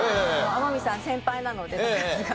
天海さん先輩なので宝塚の。